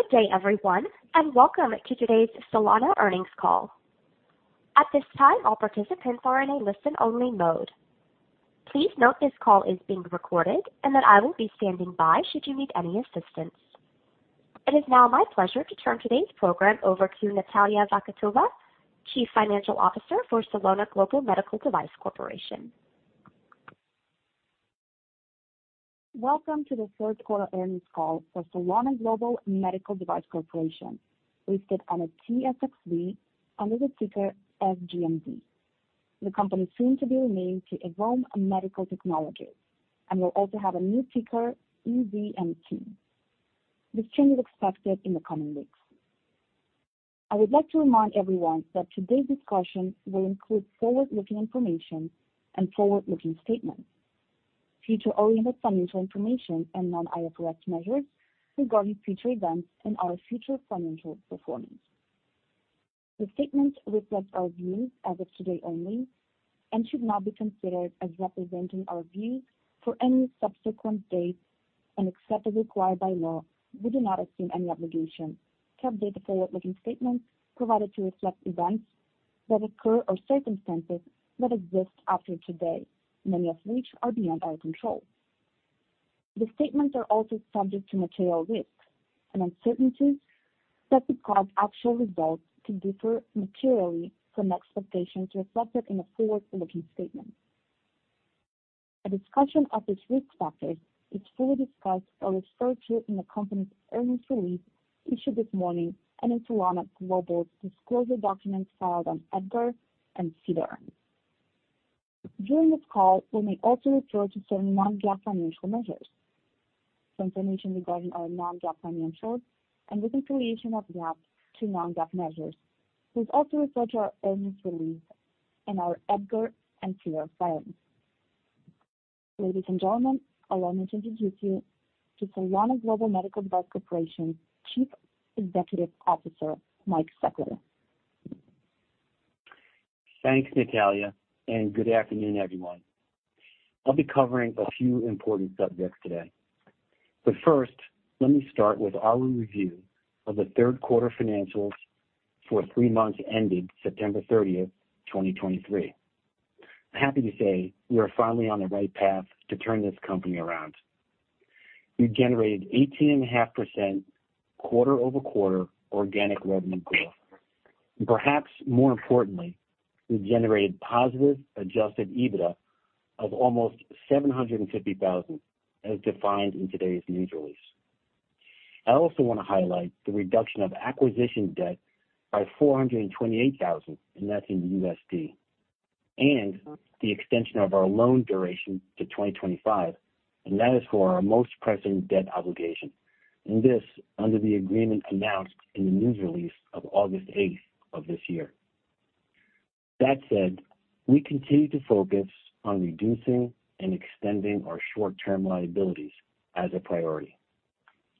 Good day, everyone, and welcome to today's Salona Earnings Call. At this time, all participants are in a listen-only mode. Please note this call is being recorded and that I will be standing by should you need any assistance. It is now my pleasure to turn today's program over to Natalia Vakhitova, Chief Financial Officer for Salona Global Medical Device Corporation. Welcome to the third quarter earnings call for Salona Global Medical Device Corporation, listed on the TSXV under the ticker SGMD. The company is soon to be renamed to Evome Medical Technologies and will also have a new ticker, EVMT. This change is expected in the coming weeks. I would like to remind everyone that today's discussion will include forward-looking information and forward-looking statements, future-oriented financial information and non-IFRS measures regarding future events and our future financial performance. The statements reflect our views as of today only and should not be considered as representing our views for any subsequent date and except as required by law, we do not assume any obligation to update the forward-looking statements provided to reflect events that occur or circumstances that exist after today, many of which are beyond our control. The statements are also subject to material risks and uncertainties that could cause actual results to differ materially from expectations reflected in the forward-looking statements. A discussion of these risk factors is fully discussed or referred to in the company's earnings release issued this morning and in Salona Global's disclosure documents filed on EDGAR and SEDAR. During this call, we may also refer to certain non-GAAP financial measures. For information regarding our non-GAAP financials and the reconciliation of GAAP to non-GAAP measures, please also refer to our earnings release and our EDGAR and SEDAR filings. Ladies and gentlemen, allow me to introduce you to Salona Global Medical Device Corporation, Chief Executive Officer, Mike Seckler. Thanks, Natalia, and good afternoon, everyone. I'll be covering a few important subjects today, but first, let me start with our review of the third quarter financials for three months ending September 30, 2023. I'm happy to say we are finally on the right path to turn this company around. We generated 18.5% quarter-over-quarter organic revenue growth. Perhaps more importantly, we generated positive adjusted EBITDA of almost 750,000, as defined in today's news release. I also want to highlight the reduction of acquisition debt by $428,000, and that's in USD, and the extension of our loan duration to 2025, and that is for our most pressing debt obligation, and this under the agreement announced in the news release of August 8 of this year. That said, we continue to focus on reducing and extending our short-term liabilities as a priority.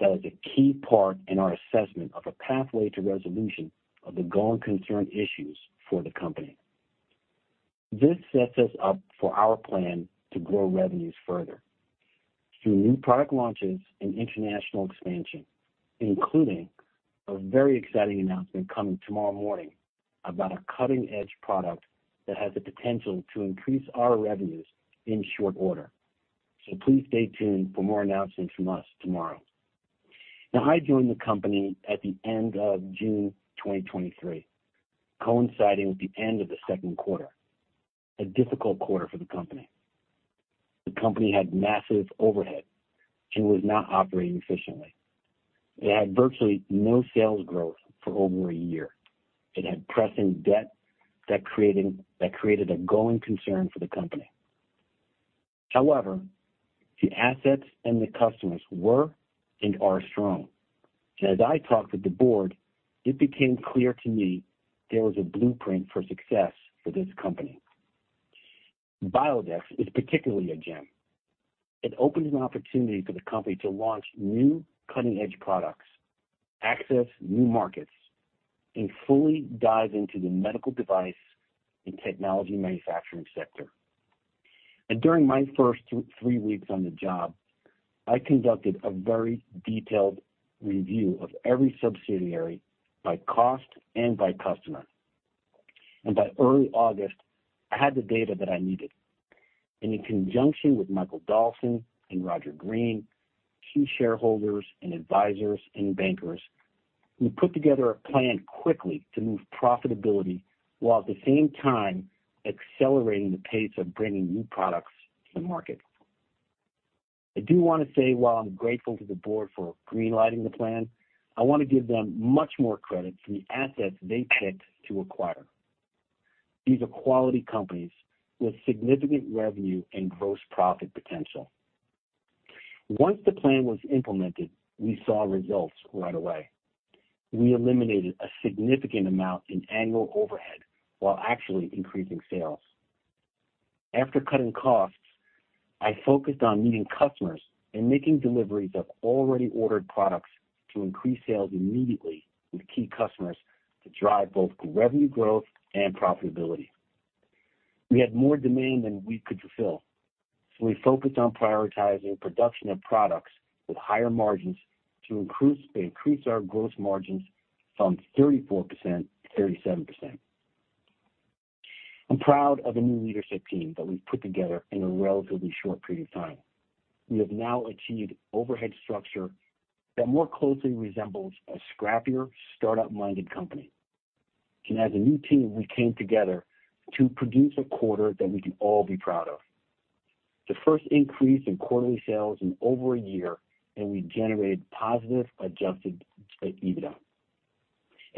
That is a key part in our assessment of a pathway to resolution of the going concern issues for the company. This sets us up for our plan to grow revenues further through new product launches and international expansion, including a very exciting announcement coming tomorrow morning about a cutting-edge product that has the potential to increase our revenues in short order. So please stay tuned for more announcements from us tomorrow. Now, I joined the company at the end of June 2023, coinciding with the end of the second quarter, a difficult quarter for the company. The company had massive overhead and was not operating efficiently. It had virtually no sales growth for over a year. It had pressing debt that created a going concern for the company. However, the assets and the customers were and are strong. And as I talked with the board, it became clear to me there was a blueprint for success for this company. Biodex is particularly a gem. It opens an opportunity for the company to launch new cutting-edge products, access new markets, and fully dive into the medical device and technology manufacturing sector. And during my first three weeks on the job, I conducted a very detailed review of every subsidiary by cost and by customer, and by early August, I had the data that I needed. And in conjunction with Michael Dalsin and Roger Greene, key shareholders and advisors and bankers, we put together a plan quickly to move profitability while at the same time accelerating the pace of bringing new products to the market. I do want to say, while I'm grateful to the board for green-lighting the plan, I want to give them much more credit for the assets they picked to acquire. These are quality companies with significant revenue and gross profit potential. Once the plan was implemented, we saw results right away. We eliminated a significant amount in annual overhead while actually increasing sales. After cutting costs, I focused on meeting customers and making deliveries of already ordered products to increase sales immediately with key customers to drive both revenue growth and profitability.... We had more demand than we could fulfill, so we focused on prioritizing production of products with higher margins to increase, increase our gross margins from 34% to 37%. I'm proud of the new leadership team that we've put together in a relatively short period of time. We have now achieved overhead structure that more closely resembles a scrappier, startup-minded company. As a new team, we came together to produce a quarter that we can all be proud of. The first increase in quarterly sales in over a year, and we generated positive Adjusted EBITDA.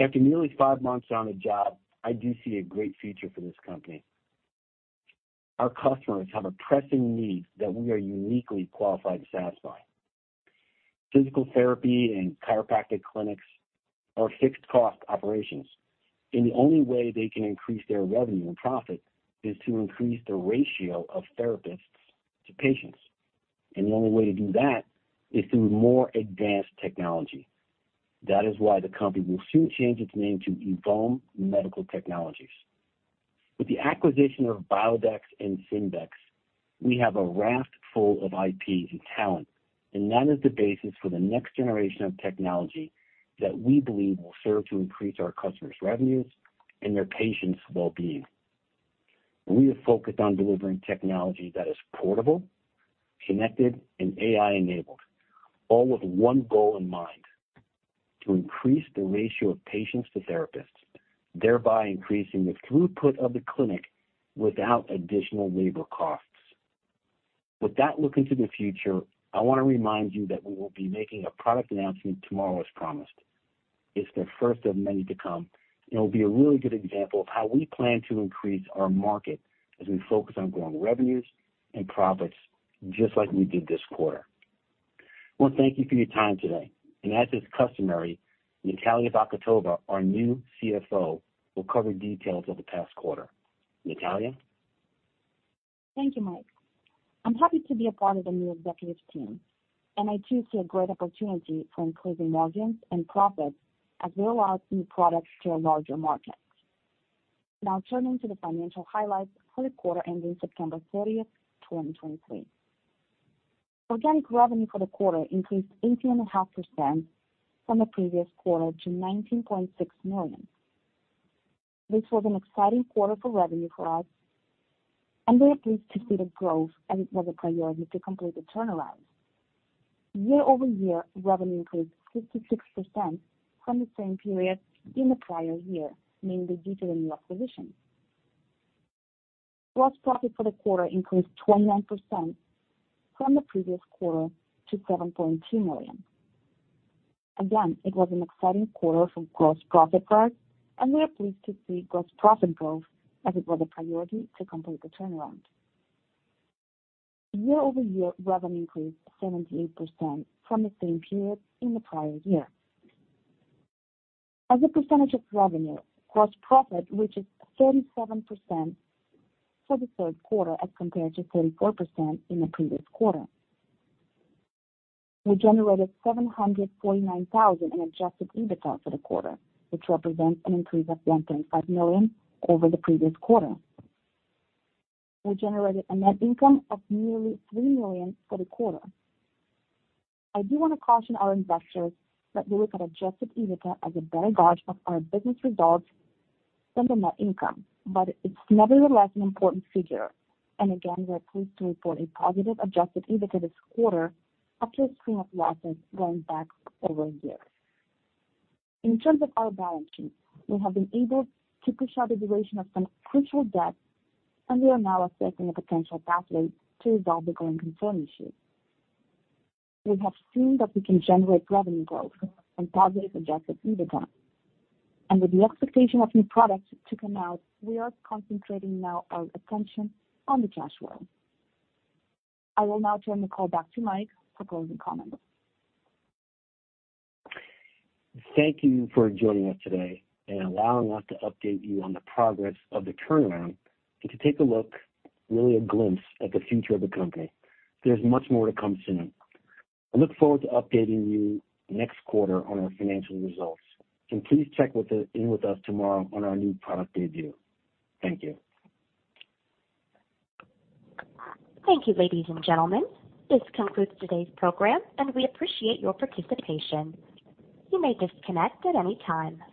After nearly five months on the job, I do see a great future for this company. Our customers have a pressing need that we are uniquely qualified to satisfy. Physical therapy and chiropractic clinics are fixed-cost operations, and the only way they can increase their revenue and profit is to increase the ratio of therapists to patients, and the only way to do that is through more advanced technology. That is why the company will soon change its name to Evome Medical Technologies. With the acquisition of Biodex and Simbex, we have a raft full of IPs and talent, and that is the basis for the next generation of technology that we believe will serve to increase our customers' revenues and their patients' well-being. We are focused on delivering technology that is portable, connected, and AI-enabled, all with one goal in mind: to increase the ratio of patients to therapists, thereby increasing the throughput of the clinic without additional labor costs. With that look into the future, I want to remind you that we will be making a product announcement tomorrow as promised. It's the first of many to come, and it'll be a really good example of how we plan to increase our market as we focus on growing revenues and profits, just like we did this quarter. I want to thank you for your time today, and as is customary, Natalia Vakhitova, our new CFO, will cover details of the past quarter. Natalya? Thank you, Mike. I'm happy to be a part of the new executive team, and I, too, see a great opportunity for increasing margins and profits as we roll out new products to a larger market. Now turning to the financial highlights for the quarter ending September 30, 2023. Organic revenue for the quarter increased 18.5% from the previous quarter to $19.6 million. This was an exciting quarter for revenue for us, and we are pleased to see the growth as it was a priority to complete the turnaround. Year-over-year, revenue increased 56% from the same period in the prior year, mainly due to the new acquisitions. Gross profit for the quarter increased 29% from the previous quarter to $7.2 million. Again, it was an exciting quarter for gross profit growth, and we are pleased to see gross profit growth as it was a priority to complete the turnaround. year-over-year, revenue increased 78% from the same period in the prior year. As a percentage of revenue, gross profit, which is 37% for the third quarter as compared to 34% in the previous quarter. We generated $749,000 in Adjusted EBITDA for the quarter, which represents an increase of $1.5 million over the previous quarter. We generated a net income of nearly $3 million for the quarter. I do want to caution our investors that we look at Adjusted EBITDA as a better gauge of our business results than the net income, but it's nevertheless an important figure. We are pleased to report a positive Adjusted EBITDA this quarter after a string of losses going back over a year. In terms of our balance sheet, we have been able to push out the duration of some crucial debt, and we are now assessing a potential pathway to resolve the going concern issue. We have seen that we can generate revenue growth and positive Adjusted EBITDA, and with the expectation of new products to come out, we are concentrating now our attention on the cash flow. I will now turn the call back to Mike for closing comments. Thank you for joining us today and allowing us to update you on the progress of the turnaround and to take a look, really a glimpse, at the future of the company. There's much more to come soon. I look forward to updating you next quarter on our financial results, and please check in with us tomorrow on our new product debut. Thank you. Thank you, ladies and gentlemen. This concludes today's program, and we appreciate your participation. You may disconnect at any time.